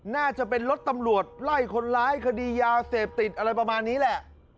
น่าจะเป็นรถตำรวจไล่คนร้ายคดียาเสพติดอะไรประมาณนี้แหละ